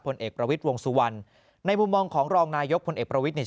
เอกประวิทย์วงสุวรรณในมุมมองของรองนายกพลเอกประวิทย์เนี่ย